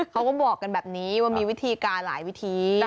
เขาก็บอกกันแบบนี้ว่ามีวิธีการหลายวิธี